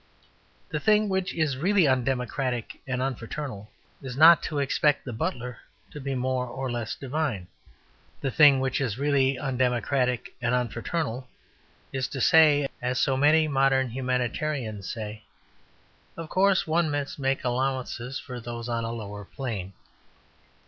The thing which is really undemocratic and unfraternal is not to expect the butler to be more or less divine. The thing which is really undemocratic and unfraternal is to say, as so many modern humanitarians say, "Of course one must make allowances for those on a lower plane."